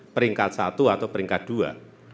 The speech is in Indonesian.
peringkat satu atau peringkat dua